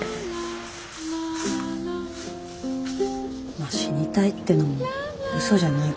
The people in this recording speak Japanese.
まあ死にたいってのもうそじゃないから。